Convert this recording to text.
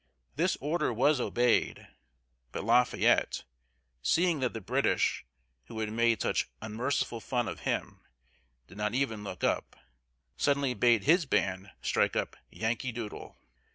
This order was obeyed, but Lafayette, seeing that the British who had made such unmerciful fun of him did not even look up, suddenly bade his band strike up "Yankee Doodle."